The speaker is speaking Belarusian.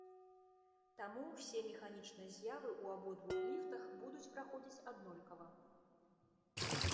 Таму ўсе механічныя з'явы ў абодвух ліфтах будуць праходзіць аднолькава.